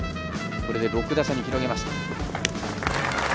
これで６打差に広げました。